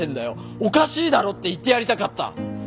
おかしいだろ！って言ってやりたかった。